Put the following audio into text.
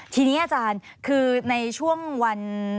ทีนี้อาจารย์คือในช่วงวัน